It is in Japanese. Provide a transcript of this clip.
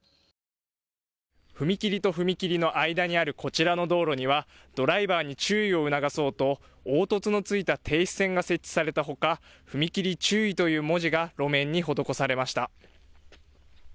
踏切と踏切の間にあるこちらの道路にはドライバーに注意を促そうと凹凸のついた停止線が設置されたほか踏切注意という文字が路面に施されました。